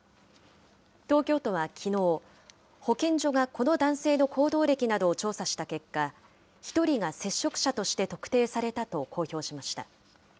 東京都はきのう、保健所がこの男性の行動歴などを調査した結果、１人が接触者として特定されたと公表しました。